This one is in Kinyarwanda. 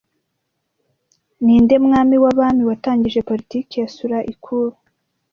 Ninde Mwami w'abami watangije politiki ya Sulah-i-kul